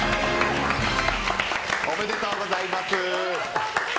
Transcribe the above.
おめでとうございます。